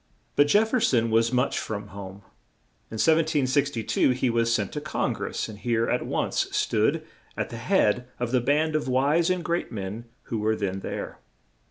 But Jef fer son was much from home. In 1762 he was sent to Con gress, and here he at once stood at the head of the band of wise and great men who were then there.